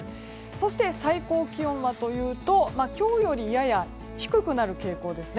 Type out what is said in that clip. そして、最高気温はというと今日よりやや低くなる傾向です。